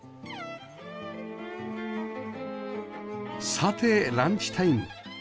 さてランチタイム